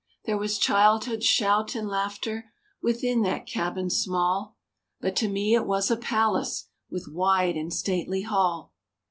There was childhood's shout and laughter Within that cabin small; But to me it was a palace, With wide and stately hall.